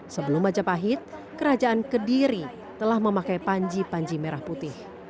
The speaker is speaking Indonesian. sebelum majapahit kerajaan kediri telah memakai panji panji merah putih